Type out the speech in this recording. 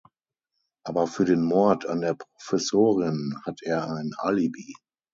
Aber für den Mord an der Professorin hat er ein Alibi.